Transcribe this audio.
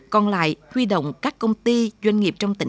còn lại huy động các công ty doanh nghiệp trong tỉnh